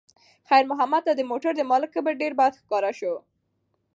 خیر محمد ته د موټر د مالک کبر ډېر بد ښکاره شو.